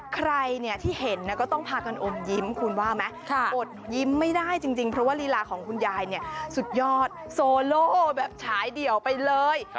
ใครเนี่ยที่เห็นก็ต้องพากันอมยิ้มคุณว่าไหมอดยิ้มไม่ได้จริงเพราะว่าลีลาของคุณยายเนี่ยสุดยอดโซโลแบบฉายเดี่ยวไปเลย